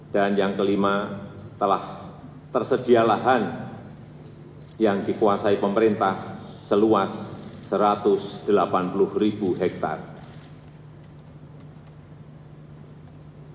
dan yang kelima telah tersedia lahan yang dikuasai pemerintah seluas satu ratus delapan puluh ribu hektare